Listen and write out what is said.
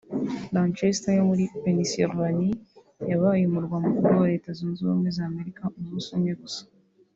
Lancaster yo muri Pennsylvania yabaye umurwa mukuru wa Leta zunze ubumwe za Amerika umunsi umwe gusa